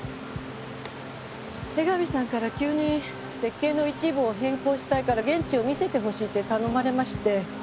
江上さんから急に設計の一部を変更したいから現地を見せてほしいって頼まれまして。